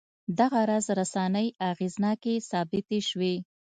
دغه راز رسنۍ اغېزناکې ثابتې شوې.